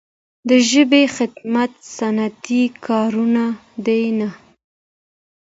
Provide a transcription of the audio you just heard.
د ژبې خدمت سطحي کارونه دي نه.